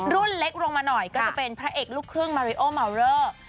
รุ่นเล็กลงมาหน่อยก็จะเป็นพระเอกลูกครึ่งมาริโอมาวเลอร์